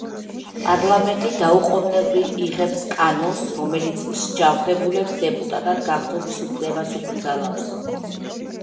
პარლამენტი დაუყოვნებლივ იღებს კანონს, რომელიც მსჯავრდებულებს დეპუტატად გახდომის უფლებას უკრძალავს.